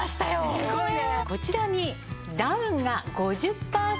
すごいね。